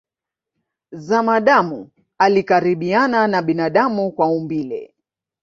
Zamadamu alikaribiana na binadamu kwa umbile